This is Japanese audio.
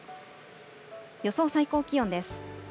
予想最高気温です。